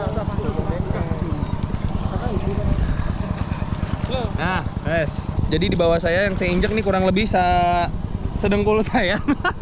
nah yes jadi di bawah saya yang saya injek ini kurang lebih sedengkul saya